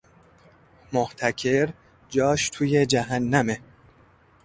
محتکر جاش توی جهنمه